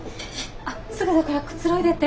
あっすぐだからくつろいでて。